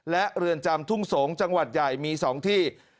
และเรือนจำทุ่งสงศ์จังหวัดใหญ่มี๒ที่